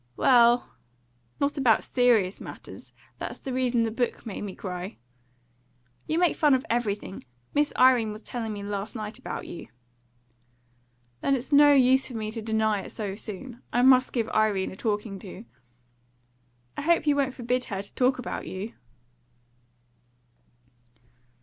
"Well not about serious matters. That's the reason that book made me cry." "You make fun of everything. Miss Irene was telling me last night about you." "Then it's no use for me to deny it so soon. I must give Irene a talking to." "I hope you won't forbid her to talk about you!"